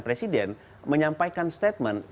presiden menyampaikan statement